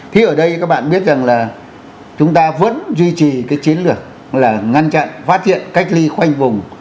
thì ở đây các bạn biết rằng là chúng ta vẫn duy trì cái chiến lược là ngăn chặn phát hiện cách ly khoanh vùng